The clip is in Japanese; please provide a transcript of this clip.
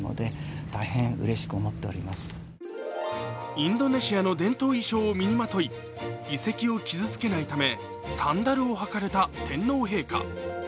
インドネシアの伝統衣装を身にまとい、遺跡を傷つけないため、サンダルを履かれた天皇陛下。